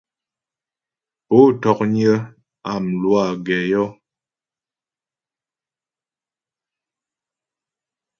Pó ntɔ̌knyə́ a mlwâ gɛ yɔ́.